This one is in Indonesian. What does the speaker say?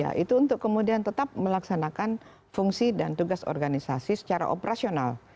ya itu untuk kemudian tetap melaksanakan fungsi dan tugas organisasi secara operasional